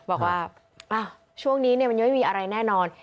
บอกว่าช่วงนี้มันยังไม่มีอะไรแน่นอน